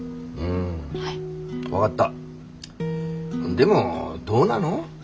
んでもどうなの？